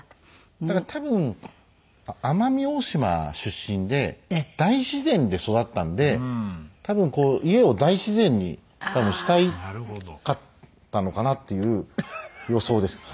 だから多分奄美大島出身で大自然で育ったんで多分家を大自然にしたかったのかなっていう予想です。